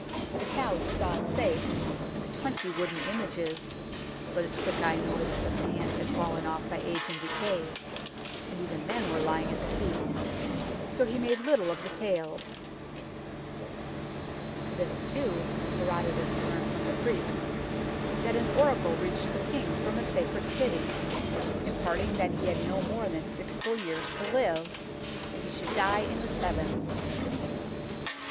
The cow he saw at Sais, and the twenty wooden images, but his quick eye noticed that the hands had fallen off by age and decay, and even then were lying at the feet, so he made little of the tale. This, too, Herodotus learnt from the priestsj that an oracle reached the King from a^sacred city, THE BONES OF MEN KAU RA 145 imparting that he had no more than six full years to live, and he should die in the seventh.